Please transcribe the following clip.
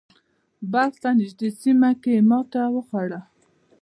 بلخ ته نږدې سیمه کې یې ماتې وخوړه.